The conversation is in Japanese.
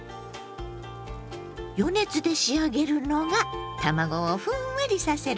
余熱で仕上げるのが卵をふんわりさせるコツなのよ。